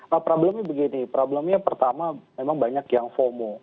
nah problemnya begini problemnya pertama memang banyak yang fomo